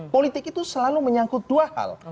politik itu selalu menyangkut dua hal